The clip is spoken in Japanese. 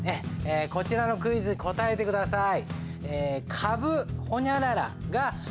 こちらのクイズに答えて下さい。